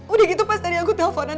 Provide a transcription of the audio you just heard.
udah gitu pas tadi aku teleponan